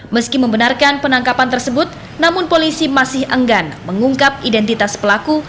meski membenarkan penangkapan tersebut namun polisi masih enggan mengungkap identitas pelaku